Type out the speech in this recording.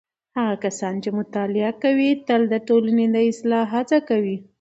هغه کسان چې مطالعه کوي تل د ټولنې د اصلاح هڅه کوي.